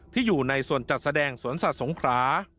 ที่อยู่ในส่วนจัดแสดงสวนสัตว์สงครา